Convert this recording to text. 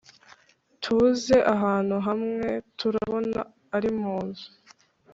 tuze ahantu hamwe turabona arimunzu